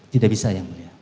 tidak bisa yang mulia